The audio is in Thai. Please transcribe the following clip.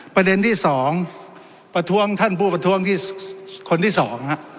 ประเด็นที่สองประท้วงท่านผู้ประท้วงที่คนที่สองฮะ